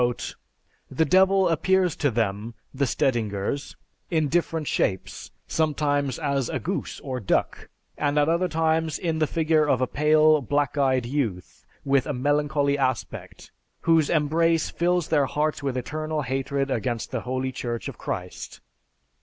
He wrote, "The Devil appears to them (the Stedingers) in different shapes, sometimes as a goose or duck, and at other times in the figure of a pale, black eyed youth, with a melancholy aspect, whose embrace fills their hearts with eternal hatred against the Holy Church of Christ.